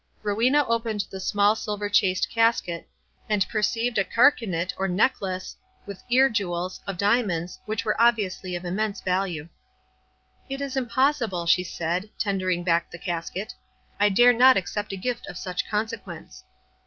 Rowena opened the small silver chased casket, and perceived a carcanet, or neck lace, with ear jewels, of diamonds, which were obviously of immense value. "It is impossible," she said, tendering back the casket. "I dare not accept a gift of such consequence."